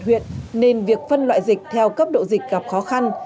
huyện nên việc phân loại dịch theo cấp độ dịch gặp khó khăn